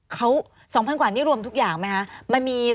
๒๐๐๐บาทกว่านี่รวมทุกอย่างไหมฮะ